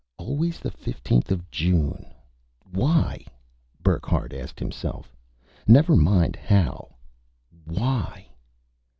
Always the fifteenth of June. Why? Burckhardt asked himself. Never mind the how. _Why?